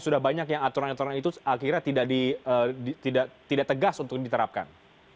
sudah banyak yang aturan aturan itu akhirnya tidak tegas untuk diterapkan